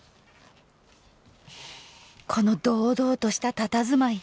この堂々としたたたずまい。